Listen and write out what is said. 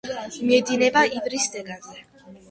მიედინება ივრის ზეგანზე.